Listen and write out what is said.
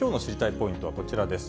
ポイントはこちらです。